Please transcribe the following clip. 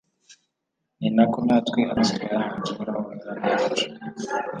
ni na ko natwe amaso twayahanze uhoraho imana yacu